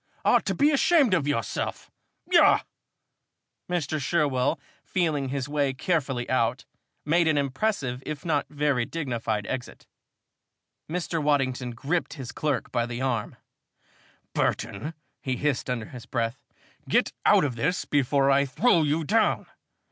Ought to be ashamed of yourself. Yah!" Mr. Sherwell, feeling his way carefully out, made an impressive if not very dignified exit. Mr. Waddington gripped his clerk by the arm. "Burton," he hissed under his breath, "get out of this before I throw you down!